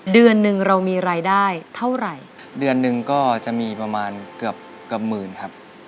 เดือนหนึ่งเรามีรายได้เท่าไหร่เดือนหนึ่งก็จะมีประมาณเกือบเกือบหมื่นครับ